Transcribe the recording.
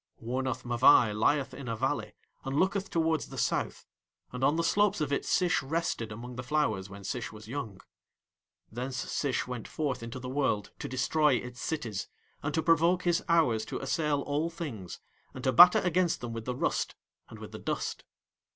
Wornath Mavai lieth in a valley and looketh towards the south, and on the slopes of it Sish rested among the flowers when Sish was young. Thence Sish went forth into the world to destroy its cities, and to provoke his hours to assail all things, and to batter against them with the rust and with the dust.